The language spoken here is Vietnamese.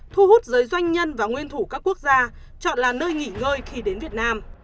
thu hút giới doanh nhân và nguyên thủ các quốc gia chọn là nơi nghỉ ngơi khi đến việt nam